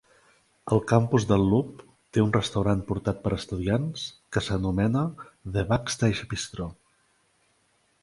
El campus del Loop té un restaurant portat per estudiants que s'anomena "The Backstage Bistro".